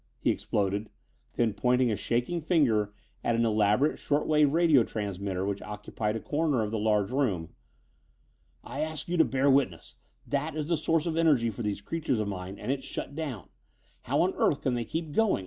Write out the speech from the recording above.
he exploded, then, pointing a shaking forefinger at an elaborate short wave radio transmitter which occupied a corner of the large room. "I ask you to bear witness. That is the source of energy for these creations of mine and it's shut down. How on earth can they keep going?